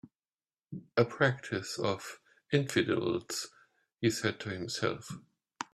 "A practice of infidels," he said to himself.